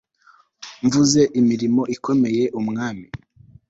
mvuge imirimo ikomeye umwami